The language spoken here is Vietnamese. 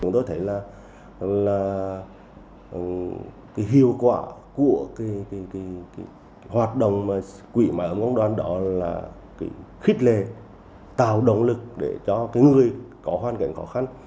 tôi thấy là hiệu quả của hoạt động quỹ mái ấm công đoàn đó là khít lệ tạo động lực để cho người có hoàn cảnh khó khăn